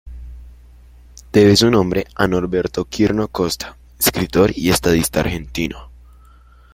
Debe su nombre a Norberto Quirno Costa, escritor y estadista argentino.